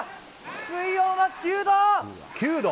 水温は９度。